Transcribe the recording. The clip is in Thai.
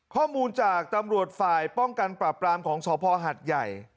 ข้อมูลจากตำรวจฝ่ายป้องกันปราบปรามของสภหัดใหญ่